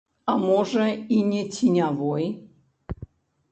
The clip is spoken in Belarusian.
А можа, і не ценявой.